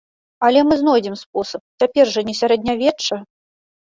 Але мы знойдзем спосаб, цяпер жа не сярэднявечча.